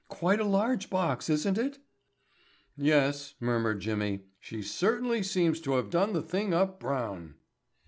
Quite a large box, isn't it?" "Yes," murmured Jimmy. "She certainly seems to have done the thing up brown."